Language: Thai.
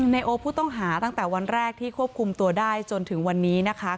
ในโอผู้ต้องหาตั้งแต่วันแรกที่ควบคุมตัวได้จนถึงวันนี้นะคะ